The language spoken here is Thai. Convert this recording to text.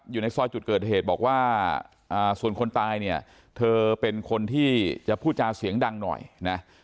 อยู่ในซอยจุดเกิดเหตุบอกว่าส่วนคนตายเนี่ยเธอเป็นคนที่จะพูดจาเสียงดังหน่อยนะ